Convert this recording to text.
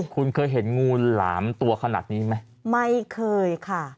คุณเคยเห็นงูหลามตัวขนาดนี้ไหมไม่เคยค่ะ